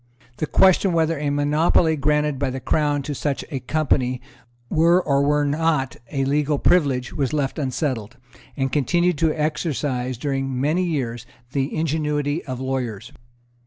The question whether a monopoly granted by the Crown to such a company were or were not a legal privilege was left unsettled, and continued to exercise, during many years, the ingenuity of lawyers.